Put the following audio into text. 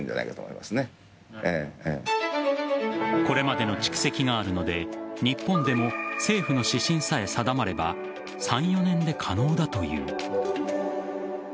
これまでの蓄積があるので日本でも政府の指針さえ定まれば３４年で可能だという。